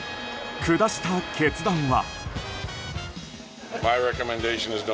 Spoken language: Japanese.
下した決断は。